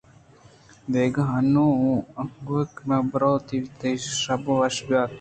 دگہ اینگو آنگومہ کن برو تئی شپ وش بات